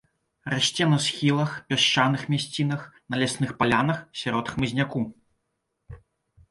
Расце на схілах, пясчаных мясцінах, на лясных палянах, сярод хмызняку.